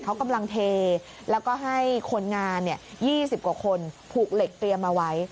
เขากำลังเทแล้วก็ให้คนงาน๒๐กว่าคนผูกเหล็กเตรียมเอาไว้